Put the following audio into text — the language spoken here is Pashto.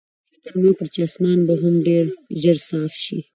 فکر مې وکړ چې اسمان به هم ډېر ژر صاف شي.